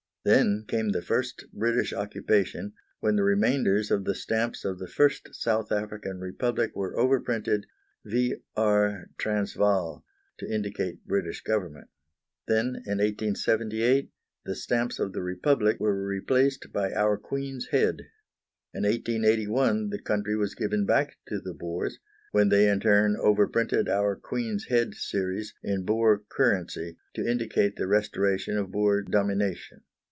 Then came the first British Occupation, when the remainders of the stamps of the first South African Republic were overprinted "V.R. TRANSVAAL," to indicate British government. Then, in 1878, the stamps of the Republic were replaced by our Queen's Head. In 1881 the country was given back to the Boers, when they in turn overprinted our Queen's Head series in Boer currency, to indicate the restoration of Boer domination.